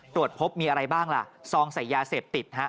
ตรวจพบมีอะไรบ้างล่ะซองใส่ยาเสพติดฮะ